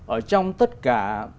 ở trong tất cả